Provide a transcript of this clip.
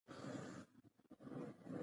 یا د ټولنې د یوې ډلې غړی دی.